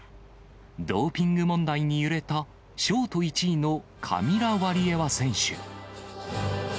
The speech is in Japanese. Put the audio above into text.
ドーピング問題に揺れたショート１位のカミラ・ワリエワ選手。